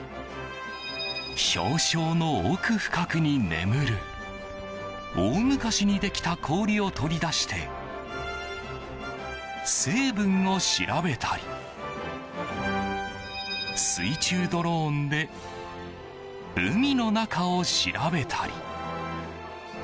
氷床の奥深くに眠る大昔にできた氷を取り出して成分を調べたり水中ドローンで海の中を調べたり。